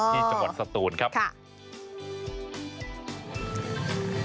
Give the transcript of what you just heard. อ๋อที่จังหวัดสตูนครับข้าะ